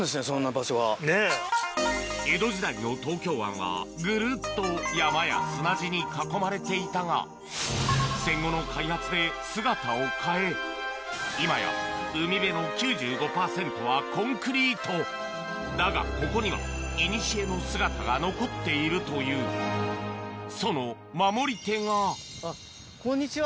江戸時代の東京湾はぐるっと山や砂地に囲まれていたが戦後の開発で姿を変え今やだがここには古の姿が残っているというその守り手がこんにちは。